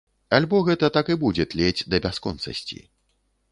Альбо гэта так і будзе тлець да бясконцасці.